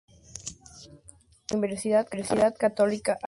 Desde Universidad Católica a Área Central.